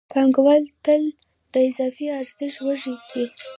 پانګوال تل د اضافي ارزښت وږی وي